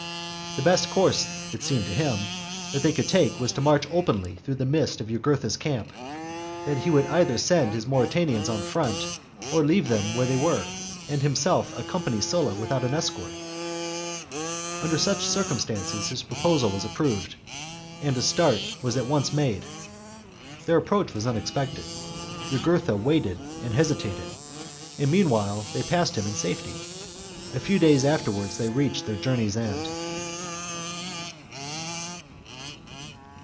the best course, it seemed to him, that they could take was to march openly through the midst of Jugurtha's camp ; and he would either send his Mauritanians on in front or leave them where they were, and himself accompany Sulla without any escort. Under such circumstances his proposal was approved, and a start was at once made ; their approach was unexpected, Jugurtha waited and hesitated, and, meanwhile, they passed him in safety. A few days afterwards they reached their journey's end.